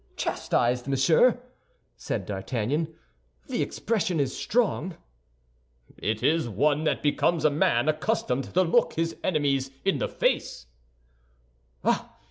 "Chastised, Monsieur!" said D'Artagnan, "the expression is strong." "It is one that becomes a man accustomed to look his enemies in the face."